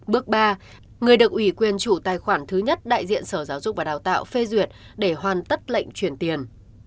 bước ba người được ủy quyền chủ tài khoản thứ nhất đại diện sở giáo dục và đào tạo phê duyệt để hoàn tất lệnh chuyển tiền